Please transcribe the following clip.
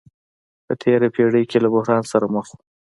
په تېره پېړۍ کې له بحران سره مخ وو.